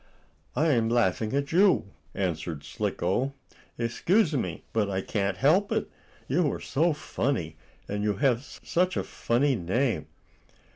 "I am laughing at you," answered Slicko. "Excuse me, but I can't help it. You are so funny, and you have such a funny name."